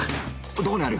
どこにある？